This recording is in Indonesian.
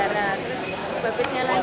terus bagusnya lah